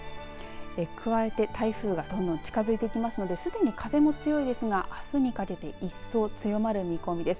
加えて台風がどんどん近づいてきますのですでに風も強いですがあすにかけて一層強まる見込みです。